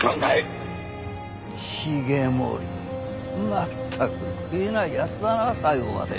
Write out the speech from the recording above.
まったく食えない奴だな最後まで。